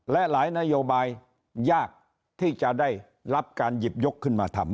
และหลายนโยบายยากที่จะได้รับการหยิบยกขึ้นมาทำ